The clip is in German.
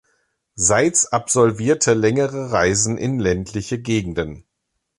Seitz absolvierte längere Reisen in ländliche Gegenden.